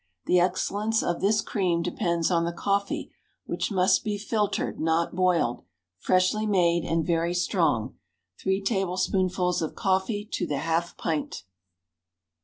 The excellence of this cream depends on the coffee, which must be filtered, not boiled, freshly made, and very strong three tablespoonfuls of coffee to the half pint.